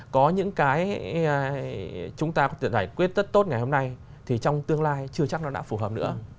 có những cái chúng ta có thể giải quyết rất tốt ngày hôm nay thì trong tương lai chưa chắc nó đã phù hợp nữa